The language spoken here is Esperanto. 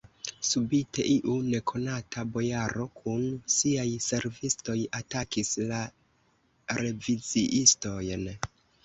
Subite iu nekonata bojaro kun siaj servistoj atakis la reviziistojn.